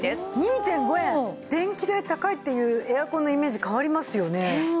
電気代高いっていうエアコンのイメージ変わりますよね。